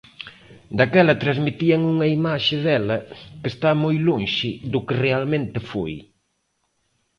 Daquela transmitían unha imaxe dela que está moi lonxe do que realmente foi.